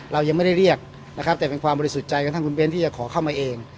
เรายังไม่ได้เรียกนะครับแต่เป็นความบริสุทธิ์ใจกระทั่งคุณเบ้นที่จะขอเข้ามาเอง